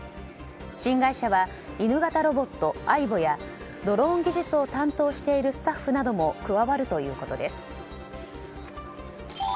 新会社は犬型ロボットアイボやドローン技術を担当しているスタッフも加わるということです。